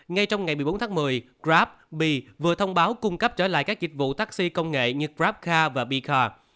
ngay trong ngày một mươi bốn tháng một mươi grab bi vừa thông báo cung cấp trở lại các dịch vụ taxi công nghệ như grabcar và bicar